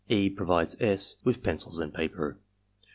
E. provides S. with pencil and paper.